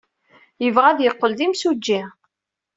Yebɣa ad yeqqel d imsujji.